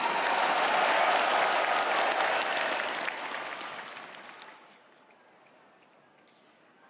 seluruh kader yang saya bangga dengan ini adalah indonesia adalah negara untuk semua anak bangsa